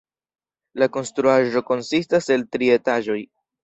La konstruaĵo konsistas el tri etaĝoj.